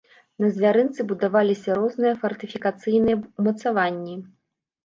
На звярынцы будаваліся розныя фартыфікацыйныя ўмацаванні.